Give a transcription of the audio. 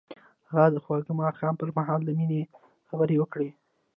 هغه د خوږ ماښام پر مهال د مینې خبرې وکړې.